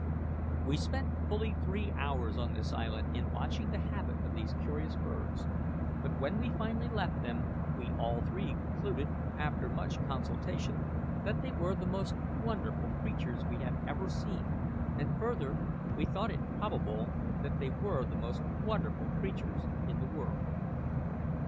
We spent fully three hours on this island in watching the habit of these curious birds; but when we finally left them, we all three concluded, after much consultation, that they were the most wonderful creatures we had ever seen, and further, we thought it probable that they were the most wonderful creatures in the world!